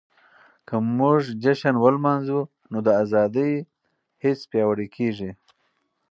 که موږ جشن ولمانځو نو د ازادۍ حس پياوړی کيږي.